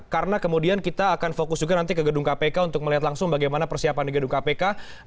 karena kemudian kita akan fokus juga nanti ke gedung kpk untuk melihat langsung bagaimana persiapan di gedung kpk